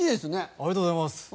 ありがとうございます。